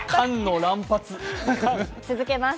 続けます。